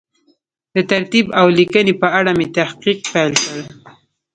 د ترتیب او لیکنې په اړه مې تحقیق پیل کړ.